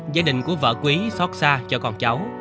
gia đình của vợ quý xót xa cho con cháu